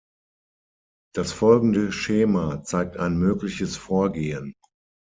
Das folgende Schema zeigt ein mögliches Vorgehen.